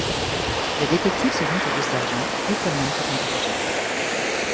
Le détective se joint aux deux sergents et Coleman fut interrogé.